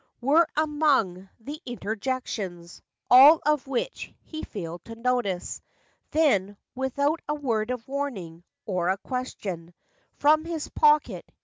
Were among the interjections ; All of which he failed to notice. Then, without a word of warning, Or a question, from his pocket .